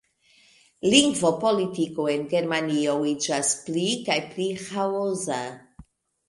Lingvopolitiko en Germanio iĝas pli kaj pli ĥaosa.